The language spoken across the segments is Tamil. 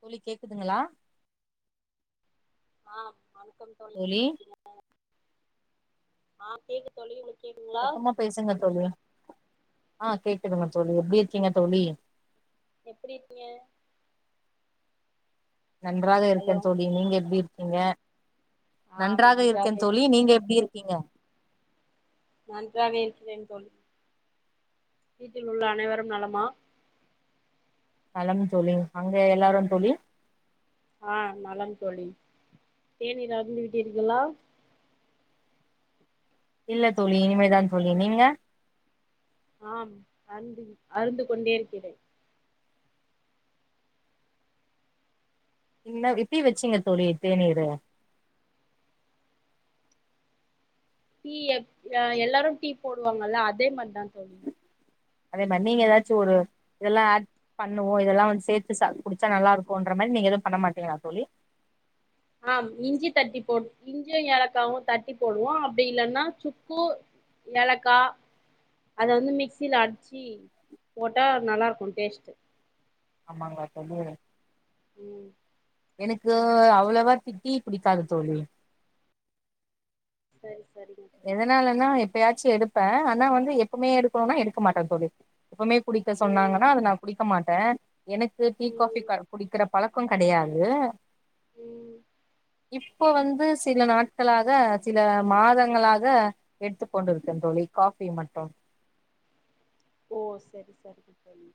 தோழி கேக்குதுங்களா ஆ வணக்கம் தோழி ஆ கேக்குது தோழி உங்களுக்கு கேக்குதுங்களா சத்தமா பேசுங்க தோழி ஆ கேக்குதுங்க தோழி எப்டி இருக்கீங்க தோழி எப்டி இருக்கீங்க நன்றாக ஹலோ இருக்கேன் தோழி நீங்க எப்டி இருக்கீங்க நன்றாக இருக்கேன் தோழி நீங்க எப்டி இருக்கீங்க நன்றாக இருக்கிறேன் தோழி வீட்டில் உள்ள அனைவரும் நலமா நலம் தோழி அங்க எல்லாரும் தோழி ஆ நலம் தோழி தேனீர் அருந்தி விட்டீர்களா இல்ல தோழி இனிமேதா தோழி நீங்க ஆம் அருந்துவிட் அருந்து கொண்டே இருக்கிறேன் இன்ன விப்பி வச்சீங்க தோழி தேனீரு டீ எ எல்லாரும் டீ போடுவாங்கல்ல அதே மாரிதா தோழி அதே மாரி நீங்க ஏதாச்சு ஒரு இதெல்லா ஆட் பண்ணுவோ இதெல்லா வந்து சேர்த்து ச குடிச்சா நல்லாருக்குன்ற மாரி நீங்க எதுவு பண்ண மாட்டீங்களா தோழி ஆம் இஞ்சி தட்டி போட் இஞ்சியு ஏலக்காகவு தட்டி போடுவோ அப்டி இல்லன்னா சுக்கு ஏலக்கா அத வந்து மிக்ஸியில அடிச்சு போட்டா நல்லாயிருக்கு டேஸ்ட்டு ஆமாங்க சொல்லிருங் ம் எனக்கு அவ்ளோவா ட் டீ புடிக்காது தோழி சேரி செரிடி எதனாலன்னா எப்பயாச்சு எடுப்பே ஆனா வந்து எப்பவுமே எடுக்கணுன்னா எடுக்க மாட்டே தோழி எப்பவுமே குடிக்க ம் சொன்னாங்கன்னா அத நா குடிக் க்க மாட்டே எனக்கு டீ காஃபி ம் குடிக்கிற பழக்கோ கெடையாது ம் இப்ப வந்து சில நாட்களாக சில மாத ங்களாக எடுத்துக் கொண்டுருக்கேன் தோழி காஃபி மட்டு ஓ செரி செரிங்க தோழி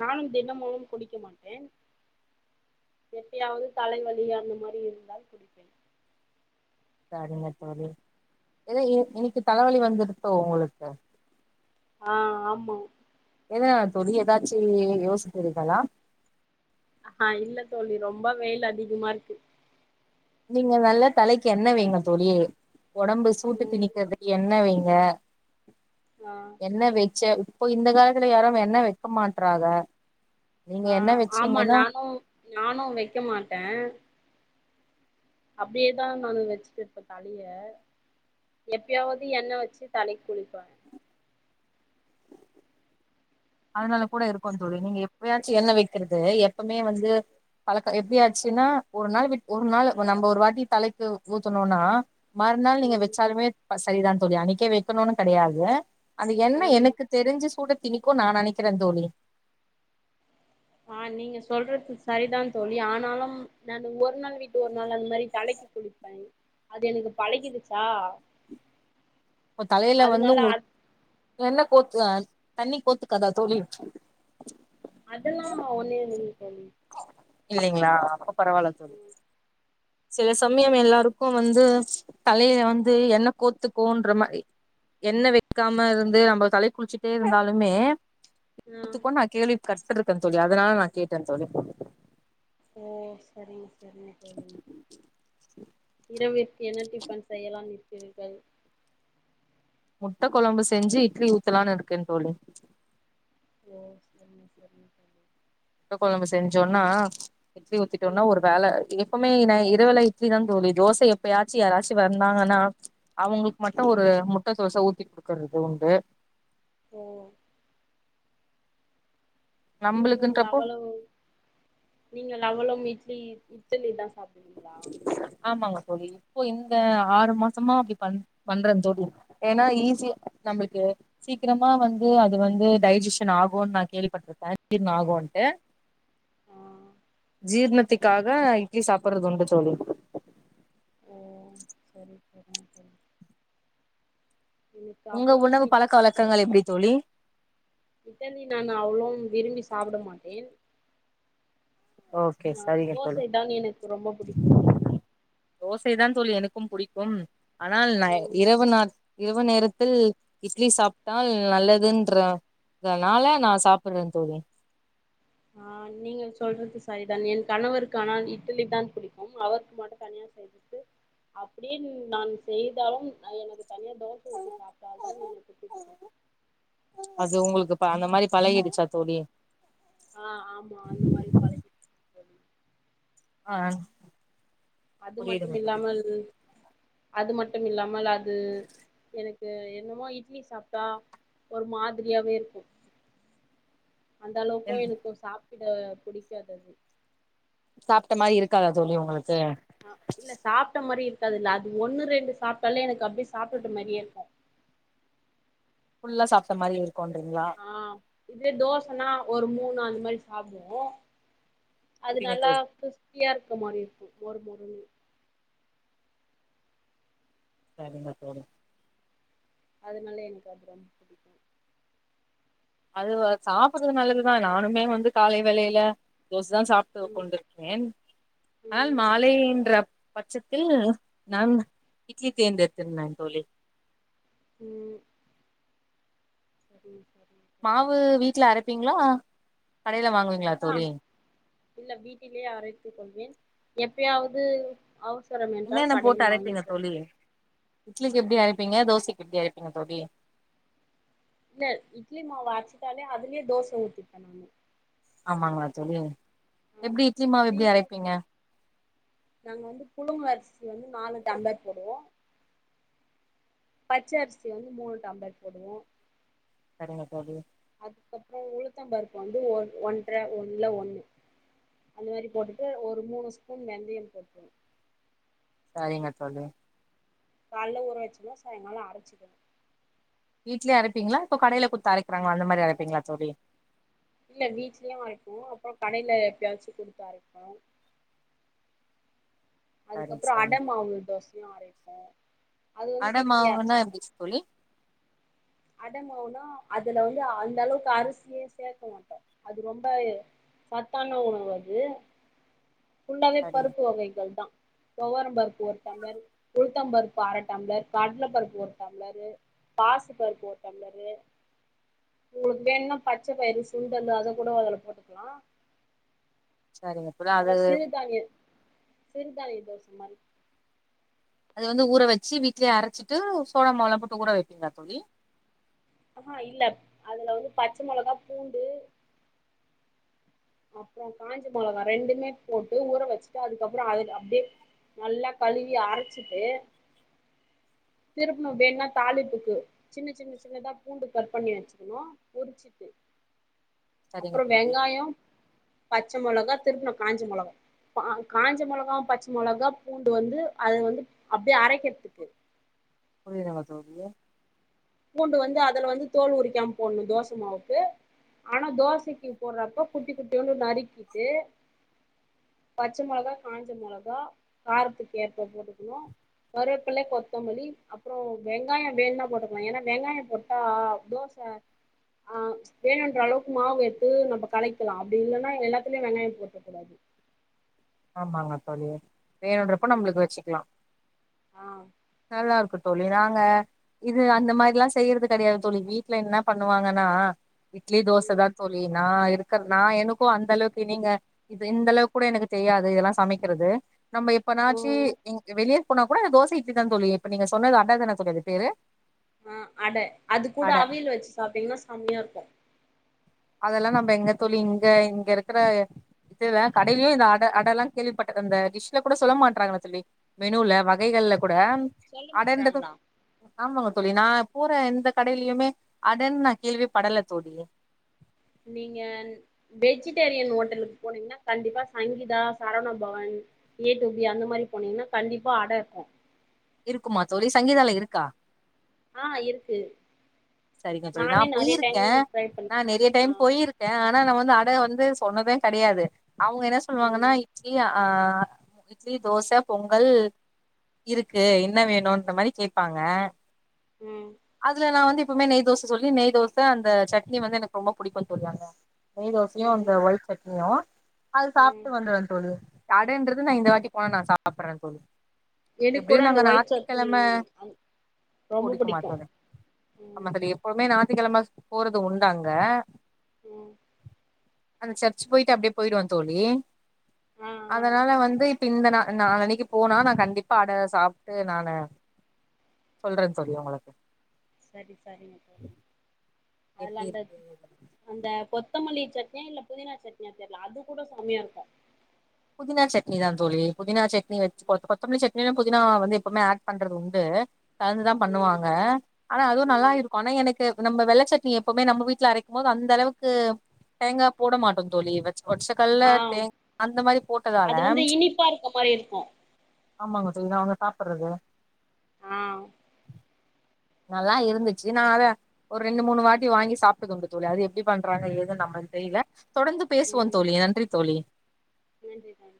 நான் தினமும் குடிக்க மாட்டேன் எப்பயாவது தலைவலி அந்த மாரி இருந்தால் குடிப்பேன் சரிங்க தோழி எதோ இன்னைக் இன்னைக்கு தலவலி வந்துடுத்தோ உங்களுக்கு ஆ ஆமா என்ன தோழி எதாச்சு நீங்க யோசிக்கிறீகளா ஆ இல்ல தோழி ரொம்ப வெயில் அதிகமா இருக்கு நீங்க நல்லா தலைக்கு எண்ணெ வைங்க தோழி ஒடம்பு சூட்ட ம் தினிக்கிறதுக்கு எண்ணெ வைங்க ஆ எண்ணெ வெச்ச இப்போ இந்த காலத்துல யாரு எண்ணெ வெக்க மாட்றாக ஆ ஆமா நானு நானு வெக்க மாட்டே அப்டியேதா நானு வெச்சுட்ருப்பே தலைய எப்பயாவது எண்ணெ வெச்சு தலைக் குளிப்பே அதனால கூட இருக்கு தோழி நீங்க எப்பயாச்சு எண்ணெ வெக்கிறது எப்பமே வந்து பழக்க எப்படியாச்சுனா ஒரு நாள் விட் ஒரு நாள் நம்ப ஒரு வாட்டி தலைக்கு ஊத்துனோனா மறுநாள் நீங்க ம் வெச்சாலுமே அ சரிதா தோழி அன்னைக்கே வெக்கணுனு கெடையாது அந்த எண்ணெ ம் எனக்கு தெரிஞ்சு சூட திணிக்கு நா நெனைக்கிறே தோழி ஆ நீங்க சொல்றது சரிதா தோழி ஆனாலும் நான் ஒரு நாள் வீட்டு ஒரு நாள் அந்த மாரி தலைக்கு குளிப்பே [unintelligible] அது எனக்கு பழகிடுச்சா [unintelligible] இப்ப தலைல வந்து அதனால அத் உங்களுக்கு என்ன கோத்து தா தண்ணி கோத்துக்காதா தோழி அதெல்லா ஒன்னு இல்லைங்க தோழி இல்லைங்ளா அப்ப பரவால்ல தோழி சில சமயம் எல்லாருக்கு வந்து தலைல வந்து எண்ணெ கோத்துக்குன்ற மாரி எண்ணெ வெக்காம இருந்து நம்ம தலைக்குளிச்சுட்டே இருந்தாலுமே ஆ இத்துக்கு நா கேள்வி பட்ருக்கே தோழி அதனால நா கேட்டே தோழி ஓ செரிங்க செரிங்க தோழி இரவிற்க்கு என்ன டிஃபன் செய்யலானு இருக்கிறீர்கள் முட்டக் கொழம்பு செஞ்சு இட்லி ஊத்தலானு இருக்கே தோழி ஓ செரிங்க செரிங்க முட்ட கொழம்பு செஞ்சோன்ன இட்லி ஊத்திட்டோனா ம் ஒரு வேல எ எப்போமே நா இரவுல இட்லி தா தோழி தோச எப்பயாச்சு யாராச்சு வந்தாங்கனா அவுங்களுக்கு மட்டு ஒரு ம் முட்ட தோச ஊத்தி் குடுக்குறதுக்கு உண்டு கே நீங்களு நம்மளுக்குன்றப்போ அவளும் நீங்கள் அவளும் இட்லி இட்டிலி தா சாப்டுவீங்ளா ஆமாங்க தோழி இப்ப இந்த ஆறு மாசமா அப்டி பண் பண்றந் தோழி ஏனா ஈஸியா நம்மள்க்கு சீக்கிரமா வந்து அது வந்து டைஜஷன் ஆவுன் நா கேள்விப்பட்ருக் டைம்க்கு ஜீர்ண ஆகுன்ட்டு ஆ ஜீர்ணத்துக்காக இட்லி சாப்புட்றது உண்டு தோழி ஓ சரி சரி சரி உங்க உணவு அவ்வளவும் பழக்க வழக்கங்கள் எப்டி தோழி சிக்கன் பிரியாணி அவ்ளோ விரும்பி சாப்ட மாட்டேன் ஓகே அ சரிங்க தோழி தோசை தான் எனக்கு ரொம்ப பிடிக்கும் தோசை தா தோழி எனக்கும் புடிக்கும் ஆனால் நா ம் இரவு நேர இரவு நேரத்தில் இட்லி சாப்ட்டால் நல்லதுன்ற தனால நா சாப்புறன் தோழி ஆ நீங்கள் சொல்றது சரிதான் என் கணவருக்கு ஆனால் இட்டிலி தான் பிடிக்கும் அவருக்கு மட்டும் தனியா செய் எதுக்கு அப்புடியென் நான் செய்தாலும் அ எனக்கு தனியா தோசை ஊத்தி சாப்ட்டால் தான் எனக்கு பிடி அது உங்குளுக்கு இப்ப அந்த மாதிரி பழகிடுச்சா தோழி ஆ ஆமா அந்த மாரி பழகிடுச்சு தோழி ஆன் அது மட்டும் இல்லாமல் அது மட்டும் இல்லாமல் அது எனக்கு என்னமோ இட்லி சாப்ட்டா ஒரு மாதிரியாவே இருக்கு [inaudible] அந்த அளவுக்கு என் எனக்கும் சாப்பிட பிடிக்காதது சாப்ட்ட மாரி இருக்காதா தோழி உங்ளுக்கு அ இல்ல சாப்ட்ட மாரி இருக்காது இல்ல அது ஒன்னு ரெண்டு சாப்ட்டாலே எனக்கு அப்டியே சாப்பிட்ட மாரியே இருக்கு ஃபுல்லா சாப்ட்ட மாரி இருக்குன்றீங்ளா ஆ இதே தோசனா ஒரு மூன் அந் மாரி சாப்டுவோ அது புரியுங்க நல்லா தோழி கிரிஸ்பியா இருக்க மாரி இருக்கு மொரு மொருன்னு சரிங்க தோழி அதுனால எனக்கு அது ரொம்ப பிடிக்கு அதுவா சாப்புறது நல்லதுதா நானுமே வந்து காலை வேலைல தோசஸ்தா சாப்ட்டு ம் கொண்ட்ருக்கேன் ஆனால் ம் மாலை இன்றப் பச்சத்தில் நான் இட்லி தேர்ந்தெடுத்திர்ந்தேன் தோழி ம் சரி சரி மாவு வீட்ல அரைப்பீங்ளா கடைல வாங்குவீங்ளா ஆ தோழி இல்ல வீட்டிலே அரைத்து கொள்வேன் எப்பயாவது அவசரம் என்றால் என்னென்ன போட்டு கடையில் வாங்கி அரைப்பீங்க தோழி கொள்வேன் இட்லிக்கு எப்டி அரைப்பீங்க தோசைக்கு எப்டி அரைப்பீங்க தோழி இல்ல இட்லி மாவு அர்ச்சுட்டாலே அதுலியே தோச ஊத்திப்ப நானு ஆமாங்ளா தோழி ஆ எப்டி இட்லி மாவு எப்டி நீங்க அரைப்பீங்க நாங்க வந்து புழுங்கு அரிசி வந்து நாலு டம்ளர் போடுவோ பச்ச அரிசி வந்து மூணு டம்ளர் போடுவோ சரிங்க தோழி அதுக்கப்றோ உளுத்தம் பருப்பு வந்து ஒன் ஒன்ட்ற ஒன்ல ஒன்னு அந்த மாரி போட்டுட்டு ஒரு மூணு ஸ்பூன் வெந்தயம் போட்டுக்குனு சரிங்க தோழி காலேல ஊற வச்சம்னா சாய்ங்காலோ அரச்சிர்றது வீ்ட்லே அரப்பீங்ளா இப்போ கைடேல குட்த்து அரைக்கிறாங்ள அந்த மாரி அரைப்பீங்ளா தோழி இல்ல வீட்ல்யு அரைபோ அப்புறோ கடைல எப்யாச்சு குடுத்து அரைப்போ சரி அதுக்கப்புறோ அட சரிங்க மாவு தோசையு அரைப்போ அது வந்து அட வீட்லயே மாவுனா அரச்சிப்போ எப்டி தோழி அடமாவு அதுல வந்து அந்த அளவுக்கு அரிசியே சேக்க மாட்டோ அது ரொம்பயே சத்தான உணவு அது [inaudible] புல்லாவே சரிங்க பருப்பு வகைகள் தா தொவரம் பருப்பு ஒரு டம்ளர் உளுத்தம் பருப்பு அர டம்ளர் கட்ல பருப்பு ஒரு டம்ளரு பாசிப்பருப்பு ஒரு டம்ளரு உங்களுக்கு வேணுனா பச்சப்பயறு சுண்டலு அத கூட அதுல போட்டுக்கலா சரிங்க தோழி அது அதா சிறுதானிய சிறுதானிய தோச மாரி அது வந்து ஊற வச்சு வீட்லையே அரைச்சிட்டு சோள மாவு எல்லா போட்டு ஊற வப்பீங்களா தோழி ஆஹ இல்ல அதுல வந்து பச்ச மொளகா பூண்டு அப்புற காஞ்ச மொளக ரெண்டுமே போட்டு ஊற வச்சுட்டு அதுக்கப்புற அது அப்டியே நல்லா கழுவி அரச்சிட்டு திருப்பணு வேணுனா தாளிப்புக்கு சின்ன சின்ன சின்னதா பூண்டு கட் பண்ணி வச்சுக்கணு பொரிச்சிட்டு [inaudible] அப்றொ தோழி வெங்காய பச்ச மொளகா திருப்பண காஞ்ச மொளகா கா காஞ்ச மொளகாவு பச்ச மொளகா பூண்டு வந்து அது வந்து அப்டியே அரைக்கறதுக்கு புரியுதுங்களா தோழி பூண்டு வந்து அதுல வந்து தோல் உரிக்காம போடணு தோச மாவுக்கு ஆனா தோசைக்கு போடுறப்ப குட்டி குட்டியோன்னு நறுக்கிட்டு பச்சை மிளகா காஞ்ச மொளகா காரத்துக்கு ஏற்ப போட்டுக்கணு கருவேப்பில கொத்தமல்லி அப்ரோ வெங்காய வேணுனா போட் லா ஏன்னா வெங்காய போட்டா தோச ஆ வேணுன்ற அளவுக்கு மாவு எத்து நம்ம கலக்கிக்லா அப்டி இல்லன்னா எல்லாத்துலயு வெங்காய போட்றக் கூடாது ஆமாங்க தோழி வேணுன்றப்ப ம் நம்மளுக்கு வச்சுக்கலா ஆ நல்லாருக்கு தோழி நாங்க இது அந்த மாரில்லா செய்யறது கெடையாது தோழி வீட்ல என்ன பண்ணுவாங்கன்னா இட்லி தோச ம் தா தோழி நா இருக்கற நா எனக்கு அந்த அளவுக்கு நீங்க இது இந்த அளவுக் கூட எனக்கு தெரியாது இதெல்லா சமைக்கிறது நம்ம எப்பனாச்சு ஓ நீங்க வெளிய போனா கூட தோச இட்லி தான் தோழி இப்ப நீங்க சொன்னது அட தானே தோழி அது பேரு ஆ அட அது கூட அட அவியில் வச்சு சாப்ட்டீங்கன்னா செம்மையா இருக்கு அதெல்லா நம்ம எங்க தோழி இங்க இங்க இருக்கிற இதுல கடையிலே இந்த அடை அட எல்லா கேள்விப்பட்ட அந்த டிஷ்ல கூட சொல்ல மாட்றாங்கள தோழி மெனுல வகைகள்ல கூட ஆ சொல்ல அடன்ரது மாட்றாங்களா ஆமாங்க தோழி நா போற எந்த கடையிலயுமே அடன்னு நா கேள்வி படல தோழி நீங்க வெஜ்டேரியன் ஹோட்டலுக்கு போனீங்கன்னா கண்டிப்பா Sangeetha Saravana Bhavan A two B அந்த மாரி போனீங்கன்னா கண்டிப்பா அட இருக்கு இருக்குமா தோழி சங்கீதால இருக்கா ஆ இருக்கு சரிங்க தோழி நா நானே நெறைய டைம் போயிருக்கே ட்ரை பண்ணி நான் நெறைய ஆ டைம் போயிருக்கே ஆனா நா வந்து அட வந்து சொன்னதே கெடையாது அவங்க என்ன சொல்லுவாங்கன்னா ம் இப் இட்லி ஆ இட்லி தோச பொங்கல் இருக்கு என்ன வேணுன்ற மாரி கேப்பாங்க ம் அதுல நா வந்து எப்பவுமே நெய் தோச சொல்லி நெய்தோச அந்த சட்னி வந்து எனக் ரொம்ப புடிக்கு தோழி அட நெய் தோசயு இந்த ம் ஒய்ட் சட்னியு அது ம் சாப்ட்டு வந்துருவே தோழி இந்த அடேன்றது நா இந்த ம் வாட்டி போனா நா சாப்பிடறே தோழி எனக்கு கூட எப்டியு அந்த நாங்க ஒயிட் சட்னி ஞாத்திக்கெழம அந் ரொம்ப பொடிக்கு புடிக்கு மாட்டோல ம் [unintelligible] எப்போத்மே ஞாத்திக்கெழம போறது உண்டு அங்க ம் அந்த சர்ச் போய்ட்டு அப்டியே போய்டுவே தோழி ஆ ஆ அதனால வந்து இப்ப இந்த நா நாலனைக்கி போனா நா கண்டிப்பா அட சாப்ட்டு நானு சொல்றேன் தோழி உங்களுக்கு சரி சரிங்க தோழி கால்ல எப்டி இருக்கு [unintelligible] அந்த கொத்தமல்லி சட்னியா இல்ல புதினா சட்னியா தெர்ல அது கூட சம்மயா இருக்கு புதினா சட்னி தா தோழி புதினா சட்னி வெச்சு கொ- கொத்தமல்லி சட்னிறிலு புதினா வந்து எப்பொத்மே ஆட் பண்றது உண்டு கலந்துதா ம் பண்ணுவாங்க ஆனா அதுவு நல்லா ம் இருக்கு ஆனா எனக்கு நம்ம வெள்ள சட்னி எப்பவுமே நம்ம வீட்ல அரைக்கும் போது அந்தளவுக்கு தேங்கா போட மாட்டோ தோழி இவ ஒட்சக்கல்ல ஆ தேங் அந்த மாரி அது போட்டதால வந்து இனிப்பா இருக்க மாரி இருக்கு ஆமாங்க தோழிங்க அவங்க சாப்பற்றது ஆ நல்லா இருந்துச்சு நா அத ஒரு ரெண்டு மூணு வாட்டி வாங்கி சாப்ட்டதுண்டு தோழி அது எப்டி பண்றாங்க ஏதுன் நம்மளுக்கு தெரில தொடர்ந்து பேசுவோ ம் தோழி நன்றி தோழி நன்றி நன்